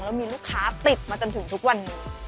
แล้วมีลูกค้าติดมาจนถึงทุกวันนี้